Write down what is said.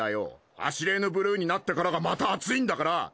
アシレーヌブルーになってからがまた熱いんだから。